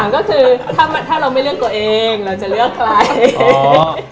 ก็คือถ้าเราไม่เลือกตัวเองเราจะเลือกใคร